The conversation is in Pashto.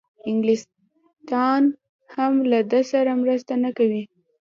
انګلیسیان هم له ده سره مرسته نه کوي.